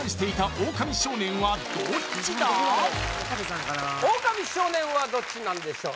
オオカミ少年はどっちなんでしょう